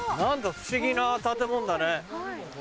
不思議な建物だね。